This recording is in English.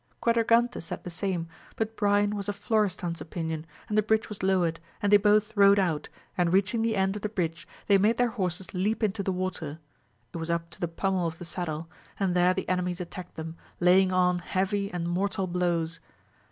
Quadragante said the same, but Brian was of Florestan*s opinion, and the bridge was lowered, and they both rode out, and reaching the end of the bridge, they made their horses leap into the water; it AMADIS OF GAUL. 159 Trad up to the pummel of the saddle ; and there the enemies attacked them, laying on heavy and mortal blows.